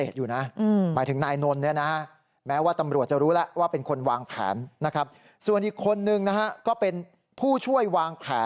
ใช่แต่เจ้าตัวยังให้การปฏิเสธอยู่นะ